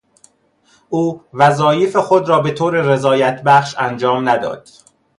او وظایف خود را به طور رضایت بخش انجام نداد.